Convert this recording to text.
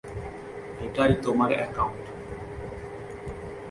এটাই তোমার একাউন্ট।